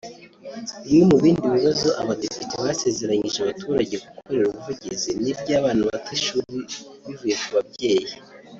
Bimwe mu bindi bibazo abadepite basezeranyije baturage gukorera ubuvugizi ni iby’abana bata ishuri bivuye ku babyeyi